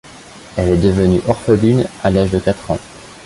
Elle est devenue orpheline à l'âge de quatre ans.